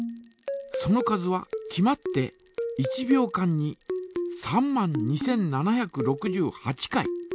その数は決まって１秒間に３万２，７６８回。